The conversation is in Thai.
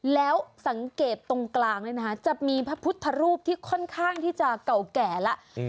แล้วสังเกตตรงกลางเนี่ยนะคะจะมีพระพุทธรูปที่ค่อนข้างที่จะเก่าแก่แล้ว